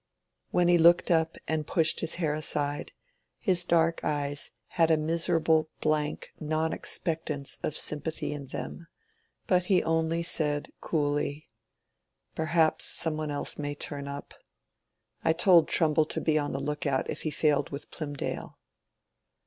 When he looked up and pushed his hair aside, his dark eyes had a miserable blank non expectance of sympathy in them, but he only said, coolly— "Perhaps some one else may turn up. I told Trumbull to be on the look out if he failed with Plymdale."